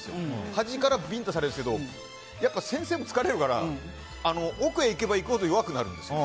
端からビンタされるんですけどやっぱり先生も疲れるから奥へ行けばいくほど弱くなるんですよ。